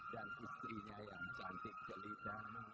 dan istrinya yang cantik jelita